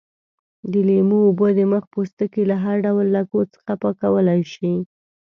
د لیمو اوبه د مخ پوستکی له هر ډول لکو څخه پاکولای شي.